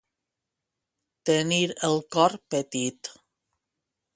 Tenir el cor petit.